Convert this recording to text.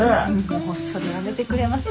もうそれやめてくれます？